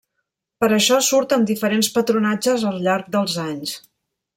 Per això surt amb diferents patronatges, al llarg dels anys.